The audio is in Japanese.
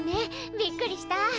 びっくりした。